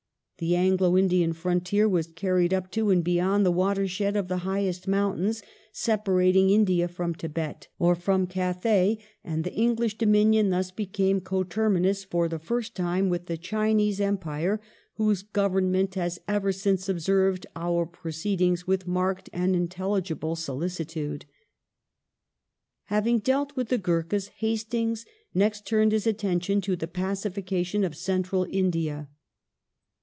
The Anglo Indian Frontier was carried up to and beyond the watei shed of the highest mountains separating India fi'om Thibet or from Kathay ; and the English dominion thus became conter minous for the first time with the Chinese Empire, whose Govern ment has ever since observed our proceedings with marked and intelligible solicitude." ^ Pindari Having dealt with the Gurkhas, Hastings next turned his War, ^^1^7 g^ii^uiion to the pacification of Central India.